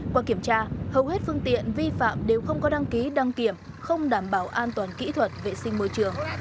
qua kiểm tra hầu hết phương tiện vi phạm đều không có đăng ký đăng kiểm không đảm bảo an toàn kỹ thuật vệ sinh môi trường